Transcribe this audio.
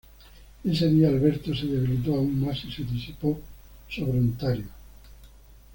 Ese día, Alberto se debilitó aún más y se disipó sobre Ontario.